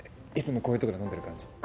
いつもこういうとこで飲んでる感じ？